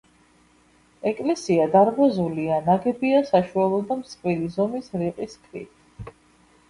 ეკლესია დარბაზულია, ნაგებია საშუალო და მსხვილი ზომის რიყის ქვით.